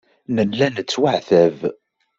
Nella nettwaɛettab.